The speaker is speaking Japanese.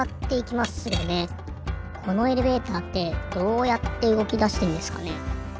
このエレベーターってどうやってうごきだしてんですかね？